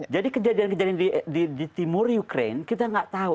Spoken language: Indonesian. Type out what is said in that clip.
jadi kejadian kejadian di timur ukraine kita nggak tahu